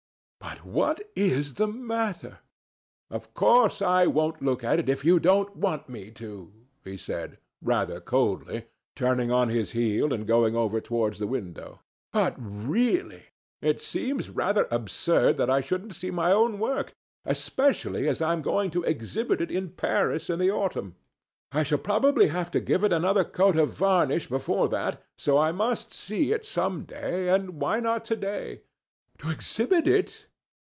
"But what is the matter? Of course I won't look at it if you don't want me to," he said, rather coldly, turning on his heel and going over towards the window. "But, really, it seems rather absurd that I shouldn't see my own work, especially as I am going to exhibit it in Paris in the autumn. I shall probably have to give it another coat of varnish before that, so I must see it some day, and why not to day?" "To exhibit it!